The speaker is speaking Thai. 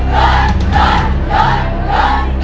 หยด